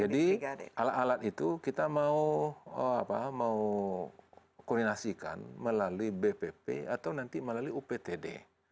jadi alat alat itu kita mau koordinasikan melalui bpp atau nanti melalui uptd